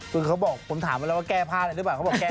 คือเขาบอกผมถามเขาแล้วว่าแก้พลาดหรือเปล่าเขาบอกแก้ไม่ได้